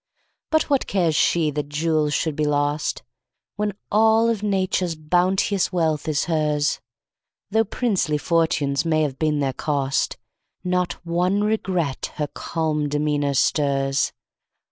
But what cares she that jewels should be lost, When all of Nature's bounteous wealth is hers? Though princely fortunes may have been their cost, Not one regret her calm demeanor stirs.